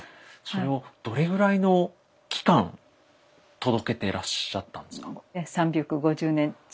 それをどれぐらいの期間届けてらっしゃったんですか？